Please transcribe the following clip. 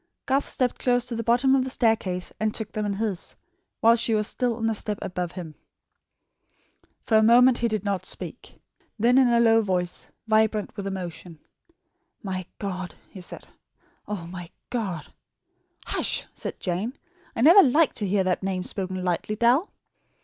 Garth stepped close to the bottom of the staircase and took them in his, while she was still on the step above him. For a moment he did not speak. Then in a low voice, vibrant with emotion: "My God!" he said, "Oh, my God!" "Hush," said Jane; "I never like to hear that name spoken lightly, Dal."